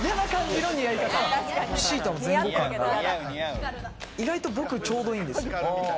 シートの前後感が意外と僕、ちょうどいいんですよ。